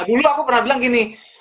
dulu aku pernah bilang gini